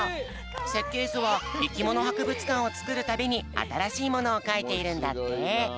せっけいずはいきものはくぶつかんをつくるたびにあたらしいものをかいているんだって。